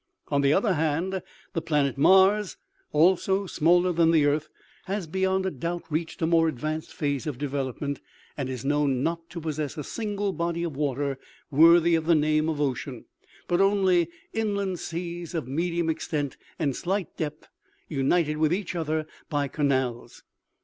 On the other hand, the planet Mars, also smaller than the earth, has beyond a doubt reached a more advanced phase of development, and is known not to possess a single body of water worthy of the name of ocean, but only inland seas of medium extent and slight depth, united with each other by canals.